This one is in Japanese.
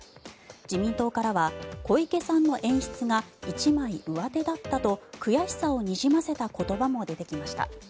自民党からは、小池さんの演出が一枚上手だったと悔しさをにじませた言葉も出てきました。